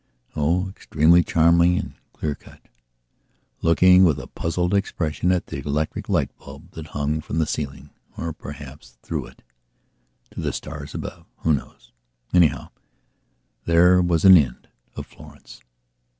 O, extremely charming and clear cutlooking with a puzzled expression at the electric light bulb that hung from the ceiling, or perhaps through it, to the stars above. Who knows? Anyhow, there was an end of Florence.